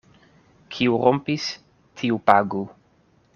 Kiu rompis, tiu pagu.